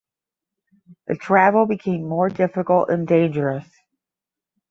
The travel became more difficult and dangerous.